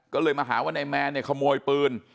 ก็เลยมาหาว่านายแมนเนี่ยขโมยปืน